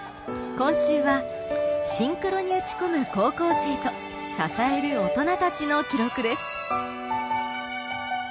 今週はシンクロに打ち込む高校生と支える大人たちの記録です。